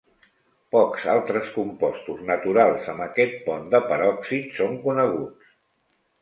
Pocs altres compostos naturals amb aquest pont de peròxid són coneguts.